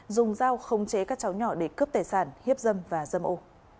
dùng dao không chế các cháu nhỏ để cướp tài sản hiếp dâm và dâm ô